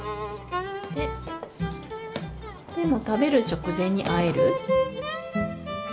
食べる直前にあえる。